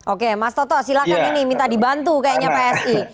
oke mas toto silahkan ini minta dibantu kayaknya psi